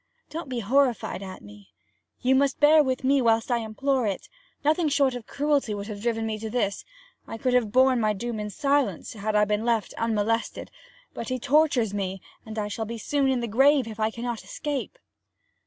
Don't be horrified at me you must bear with me whilst I implore it. Nothing short of cruelty would have driven me to this. I could have borne my doom in silence had I been left unmolested; but he tortures me, and I shall soon be in the grave if I cannot escape.'